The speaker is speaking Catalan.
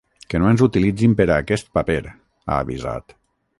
Que no ens utilitzin per a aquest paper, ha avisat.